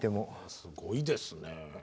すごいですね。